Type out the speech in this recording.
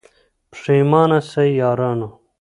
پښېمانه سئ یارانو